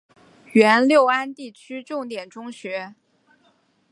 原六安地区重点中学。